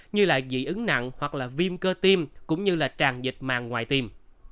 như dị ứng nặng hoặc viêm cơ tim cũng như tràn dịch màng ngoài tim